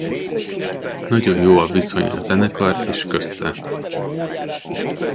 Nagyon jó a viszony a zenekar és közte.